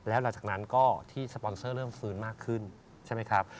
แล้วหลังจากนั้นก็ที่สปอนเซอร์เริ่มฟื้นมากขึ้นใช่ไหมครับ